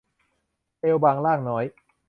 เอวบางร่างน้อย